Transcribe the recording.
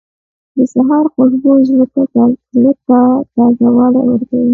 • د سهار خوشبو زړه ته تازهوالی ورکوي.